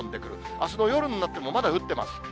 あすの夜になっても、まだ降ってます。